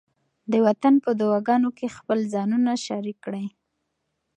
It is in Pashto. د وطن په دعاګانو کې خپل ځانونه شریک کړئ.